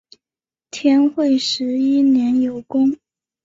天会十一年有功。